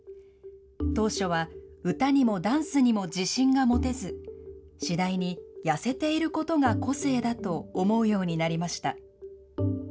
当初は歌にもダンスにも自信が持てず、次第に痩せていることが個性だと思うようになりました。